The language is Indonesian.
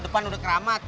depan udah keramat